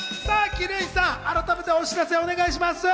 鬼龍院さん、改めてお知らせお願いします。